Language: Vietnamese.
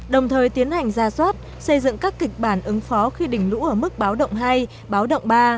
đồng thời tiến hành ra soát xây dựng các kịch bản ứng phó khi đỉnh lũ ở mức báo động hai báo động ba